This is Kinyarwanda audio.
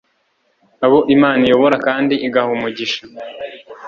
abo imana iyobora kandi igaha umugisha